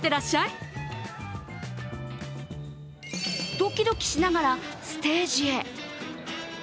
ドキドキしながらステージへ。